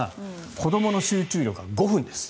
子どもの集中力は５分です。